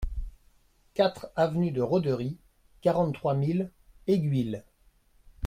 quatre avenue de Roderie, quarante-trois mille Aiguilhe